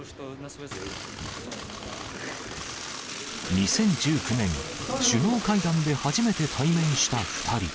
２０１９年、首脳会談で初めて対面した２人。